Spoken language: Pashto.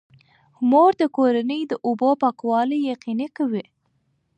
مور د کورنۍ د اوبو پاکوالی یقیني کوي.